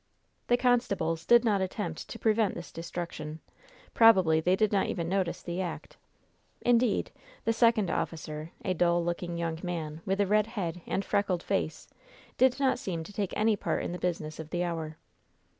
The constables did not attempt to prevent this destruction. Probably they did not even notice the act. Indeed, the second officer, a dull looking young man, with a red head and freckled face, did not seem to take any part in the business of the hour.